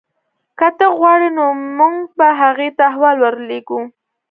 که ته غواړې نو موږ به هغې ته احوال ورلیږو